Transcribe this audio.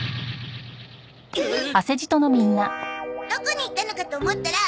どこに行ったのかと思ったら。